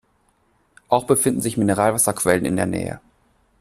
Auch befinden sich Mineralwasserquellen in der Nähe.